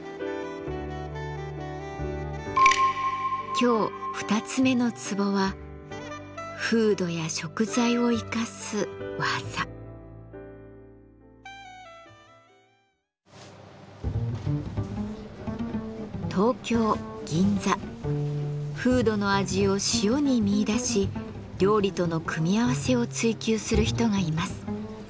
今日二つ目のツボは風土の味を塩に見いだし料理との組み合わせを追求する人がいます。